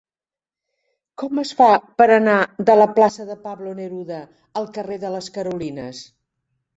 Com es fa per anar de la plaça de Pablo Neruda al carrer de les Carolines?